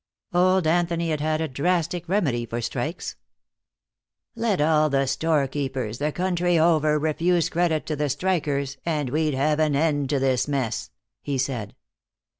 Old Anthony had had a drastic remedy for strikes. "Let all the storekeepers, the country over, refuse credit to the strikers, and we'd have an end to this mess," he said.